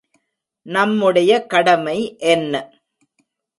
நம்முடைய கடமை என்ன?